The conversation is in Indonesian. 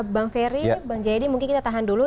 bang ferry bang jayadi mungkin kita tahan dulu